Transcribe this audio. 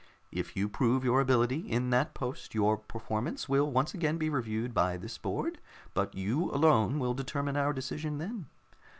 If you prove your ability in that post, your performance will once again be reviewed by this board, but you alone will determine our decision then.